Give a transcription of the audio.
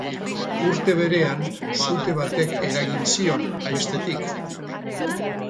Urte berean sute batek eragin zion, bestetik.